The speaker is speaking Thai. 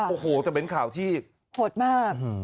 โอ้โหแต่เป็นข่าวที่โหดมาก